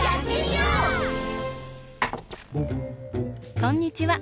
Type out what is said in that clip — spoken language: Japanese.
こんにちは。